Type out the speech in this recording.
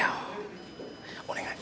お願い。